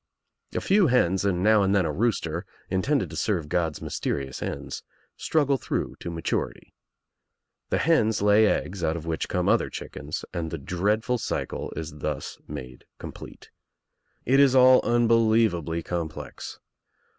A few hens and now and then a rooster, intended to serve God's mysterious ends, struggle through to maturity. The hens lay eggs (put of'which come other chickens and the dreadful cycTeis thus made complete. It is all unbelievably complex.